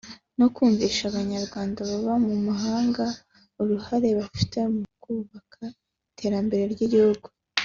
no kumvisha Abanyarwanda baba mu mahanga uruhare bafite mu kubaka iterambere ry’igihugu